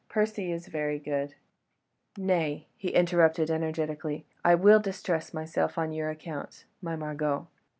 Percy is very good ..." "Nay!" he interrupted energetically, "I will distress myself on your account, my Margot.